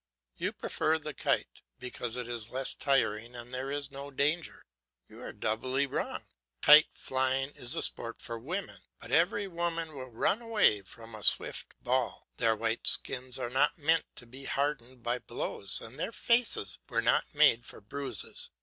You prefer the kite because it is less tiring and there is no danger. You are doubly wrong. Kite flying is a sport for women, but every woman will run away from a swift ball. Their white skins were not meant to be hardened by blows and their faces were not made for bruises.